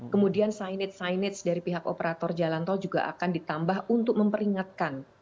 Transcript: kemudian signate signage dari pihak operator jalan tol juga akan ditambah untuk memperingatkan